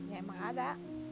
ya emang ada